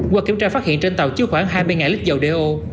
qua kiểm tra phát hiện trên tàu chứa khoảng hai mươi lít dầu đeo